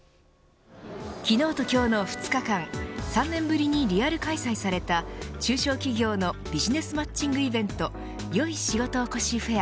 昨日と今日の２日間３年ぶりにリアル開催された中小企業のビジネスマッチングイベントよい仕事おこしフェア。